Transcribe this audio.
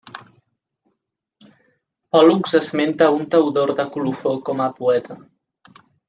Pòl·lux esmenta a un Teodor de Colofó com a poeta.